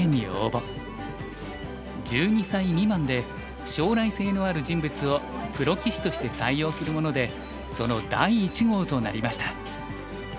１２歳未満で将来性のある人物をプロ棋士として採用するものでその第１号となりました。